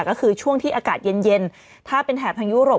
ก็คือช่วงที่อากาศเย็นถ้าเป็นแถบทางยุโรป